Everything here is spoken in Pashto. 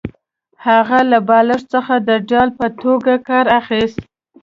هغه له بالښت څخه د ډال په توګه کار اخیست